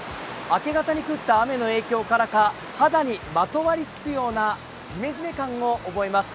明け方に降った雨の影響か、肌にまとわりつくようなジメジメ感を覚えます。